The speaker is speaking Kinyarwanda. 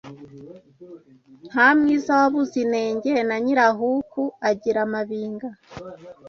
Nta mwiza wabuze inenge, na Nyirahuku agira amabinga